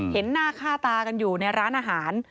เห็นหน้าค่าตากันอยู่ในร้านอาหาร